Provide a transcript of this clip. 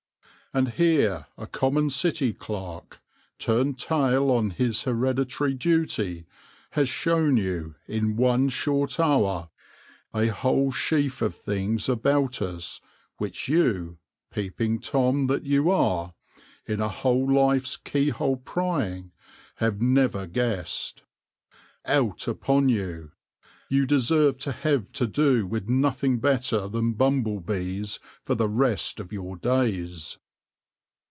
And here a common City clerk, turned tail on his hereditary duty, has shown you, in one short hour, a whole sheaf of things about us which you — Peeping Tom that you are !— in a whole life's keyhole prying have never guessed. Out upon you ! You deserve to have to do with nothing better than bumble bees for the rest of your days